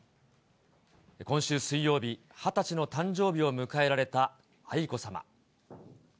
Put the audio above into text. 今週水曜日、２０歳の誕生日を迎えられた愛子さま。